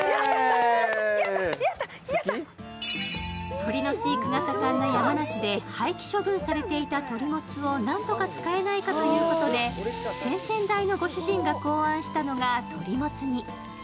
鶏の飼育が盛んな山梨で廃棄処分されていた鳥もつをなんとか使えないかということで先々代のご主人が考案したのが鳥もつ煮。